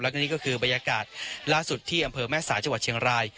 แล้วก็นี่ก็คือบรรยากาศล่าสุดที่อำเภอแม่สายจังหวัดเชียงราย